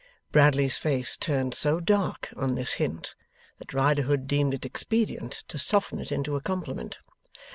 Bradley's face turned so dark on this hint, that Riderhood deemed it expedient to soften it into a compliment.